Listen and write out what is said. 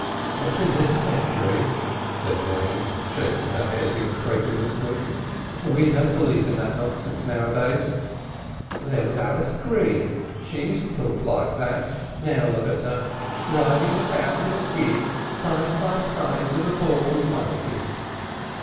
"Not in this century," said Miriam, shaking her head incredulously. "We don't believe in that nonsense now a days. There was Alice Green, she used to talk like that, now look at her, riding about in a gig side by side with a bald monkey."